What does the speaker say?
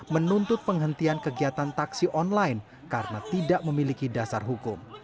menuntut penghentian kegiatan taksi online karena tidak memiliki dasar hukum